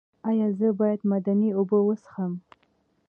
ایا زه باید معدني اوبه وڅښم؟